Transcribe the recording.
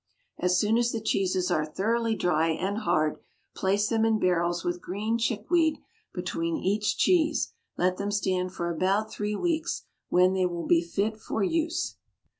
As soon as the cheeses are thoroughly dry and hard, place them in barrels with green chickweed between each cheese; let them stand for about three weeks, when they will be fit for use.